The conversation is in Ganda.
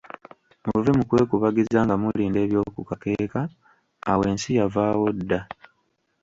Muve mu kwekubagiza nga mulinda ebyokukakeeka, awo ensi yavaawo dda.